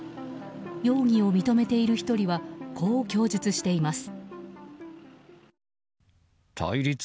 容疑を認めている１人はこう供述しています。